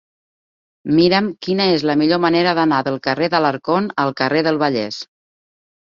Mira'm quina és la millor manera d'anar del carrer d'Alarcón al carrer del Vallès.